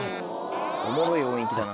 おもろい音域だな。